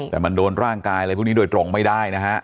แต่มันโดนร่างกายอะไรพวกนี้โดยตรงไม่ได้นะฮะ